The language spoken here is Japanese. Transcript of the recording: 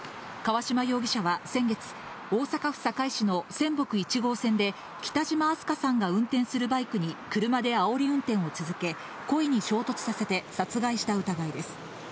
川島容疑者は先月、大阪府堺市のせんぼく１号線で、北島あすかさんが運転するバイクに車であおり運転を続け、故意に衝突させて、殺害した疑いです。